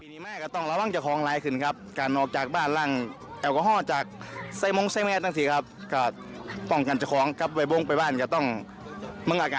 นี่ดูไปดูมานึกว่าเที่ยวทะเลซะอีก